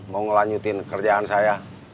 mau lanjutin kerjaan saya